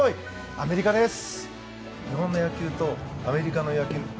アメリカです。